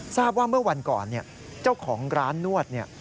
ทราบว่าเมื่อวันก่อนเจ้าของร้านนวดเนี่ย